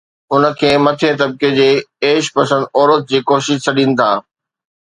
اُن کي مٿئين طبقي جي عيش پسند عورت جي ڪوشش سڏين ٿا